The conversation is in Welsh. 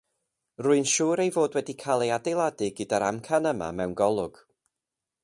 Rwy'n siŵr ei fod wedi cael ei adeiladu gyda'r amcan yma mewn golwg.